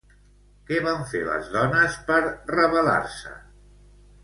Què van fer les dones per rebel·lar-se?